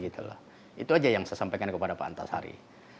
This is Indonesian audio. itu saja yang saya sampaikan kepada pak antasari